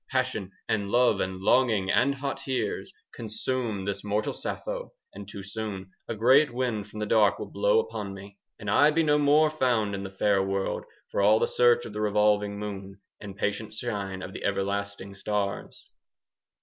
10 Passion and love and longing and hot tears Consume this mortal Sappho, and too soon A great wind from the dark will blow upon me, And I be no more found in the fair world, For all the search of the revolving moon 15 And patient shine of everlasting stars.